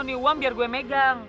ini uang biar gue megang